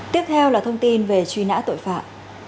tiếp theo là thông tin về truy nã tội phạm